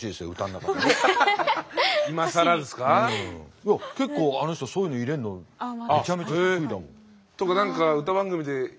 いや結構あの人そういうの入れんのめちゃめちゃ得意だもん。